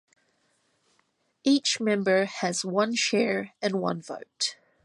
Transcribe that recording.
Each member has one share and one vote.